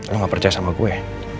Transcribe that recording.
lo gak percaya sama gue